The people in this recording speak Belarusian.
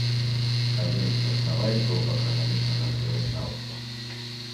Адзін з заснавальнікаў агранамічнага глебазнаўства.